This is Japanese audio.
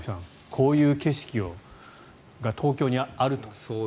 こういう景色が東京にあると。